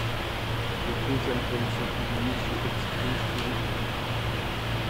Les deux albums sont publiés chez Expunged Records.